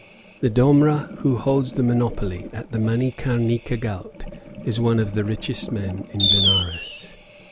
The domra who holds the monopoly at the Manikarnika ghaut is one of the richest men in Benares.